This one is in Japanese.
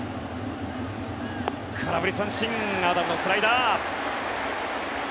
空振り三振アダムのスライダー。